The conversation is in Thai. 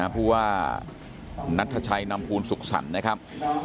ผู้ว่านัทชัยนำภูลสุขสรรค์นะครับ